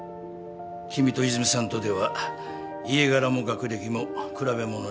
君と泉さんとでは家柄も学歴も比べものにならん。